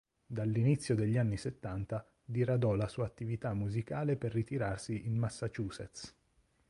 Dall'inizio degli anni settanta diradò la sua attività musicale per ritirarsi in Massachusetts.